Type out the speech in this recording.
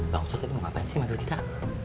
nah ustadz lo mau ngapain sih sama kita